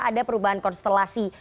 ada perubahan konstelasi